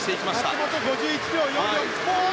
松元、５４秒４４。